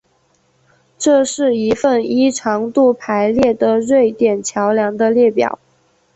这是一份依长度排列的瑞典桥梁的列表